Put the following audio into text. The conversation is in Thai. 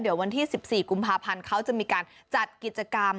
เดี๋ยววันที่๑๔กุมภาพันธ์เขาจะมีการจัดกิจกรรม